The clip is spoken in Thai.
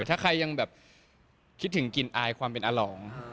ถ้าใครยังแบบคิดถึงกลิ่นอายความเป็นอลอง